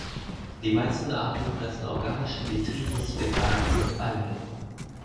Die meisten Arten fressen organischen Detritus, Fäkalien und Algen.